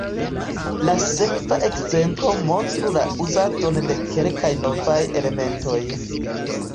La sekva ekzemplo montru la uzadon de kelkaj novaj elementoj.